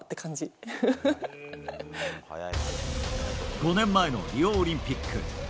５年前のリオオリンピック。